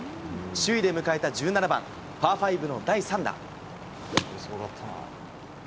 首位で迎えた１７番、パー５の第３打。